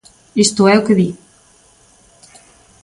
Isto é o que di.